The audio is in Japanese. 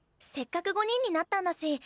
せっかく５人になったんだし